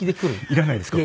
いらないですか？